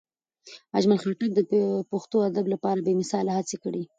اجمل خټک د پښتو ادب لپاره بې مثاله هڅې کړي.